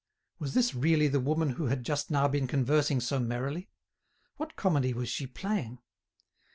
Was this really the woman who had just now been conversing so merrily? What comedy was she playing?